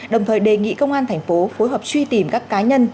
đồng thời đề nghị công an tp phối hợp truy tìm các cá nhân